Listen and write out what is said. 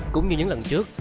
cũng như những lần trước